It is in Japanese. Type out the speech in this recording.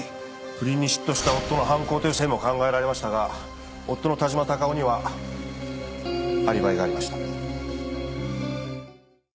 不倫に嫉妬した夫の犯行という線も考えられましたが夫の田島隆男にはアリバイがありました。